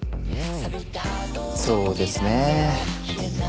そうですね。